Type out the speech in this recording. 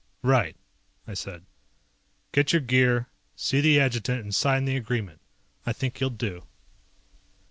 "Right," I said, "get your gear, see the Adjutant and sign the agreement. I think you'll do."